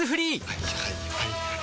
はいはいはいはい。